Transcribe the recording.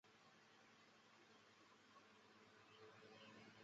也是采访记者的职业日用品。